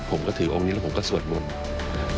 ผมก็ถือองค์นี้แล้วผมก็สวดมนต์